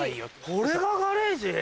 これがガレージ？